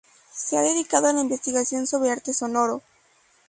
Se ha dedicado a la investigación sobre arte sonoro.